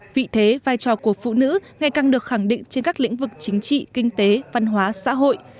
vị thế vai trò của phụ nữ ngày càng được khẳng định trên các lĩnh vực chính trị kinh tế văn hóa xã hội